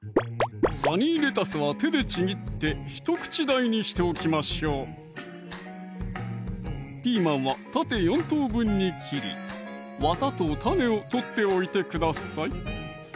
サニーレタスは手でちぎってひと口大にしておきましょうピーマンは縦４等分に切りわたと種を取っておいてください